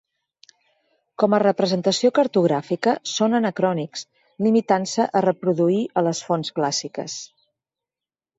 Com a representació cartogràfica són anacrònics, limitant-se a reproduir a les fonts clàssiques.